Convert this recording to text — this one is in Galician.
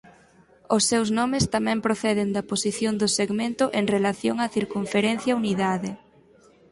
Os seus nomes tamén proceden da posición do segmento en relación á circunferencia unidade.